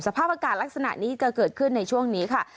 สภาพอากาศลักษณะนี้จะเกิดขึ้นในช่วงนี้ค่ะ